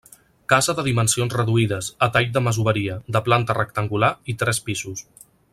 Casa de dimensions reduïdes, a tall de masoveria, de planta rectangular i tres pisos.